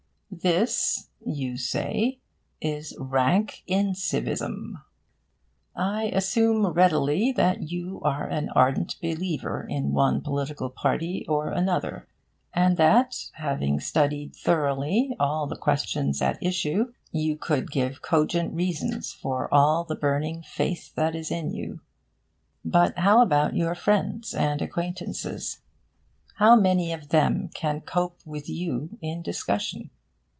'This,' you say, 'is rank incivism.' I assume readily that you are an ardent believer in one political party or another, and that, having studied thoroughly all the questions at issue, you could give cogent reasons for all the burning faith that is in you. But how about your friends and acquaintances? How many of them can cope with you in discussion?